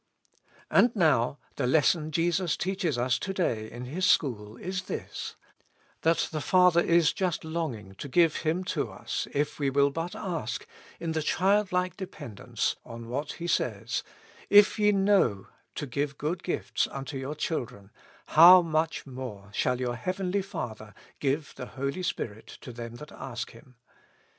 And now, the lesson Jesus teaches us to day in His school is this; That the Father is just longing to give Him to us if we will but ask in the childlike depend ence on what He says :" If ye know to give good gifts unto your children, how much more shall your heavenly Father give the Holy Spirit to them that ask Him."